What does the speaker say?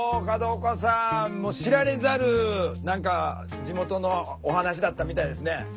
角岡さんもう知られざる地元のお話だったみたいですね。